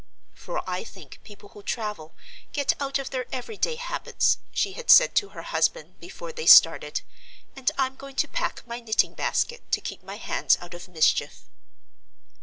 "For I think people who travel, get out of their everyday habits," she had said to her husband, before they started, "and I'm going to pack my knitting basket to keep my hands out of mischief."